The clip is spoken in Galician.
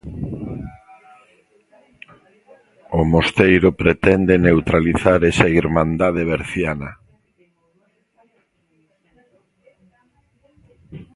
O mosteiro pretende neutralizar esa irmandade berciana.